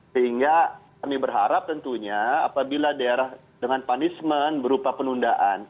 sehingga kami berharap tentunya apabila daerah dengan punishment berupa penundaan